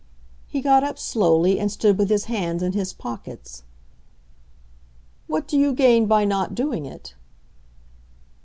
He got up slowly, and stood with his hands in his pockets. "What do you gain by not doing it?"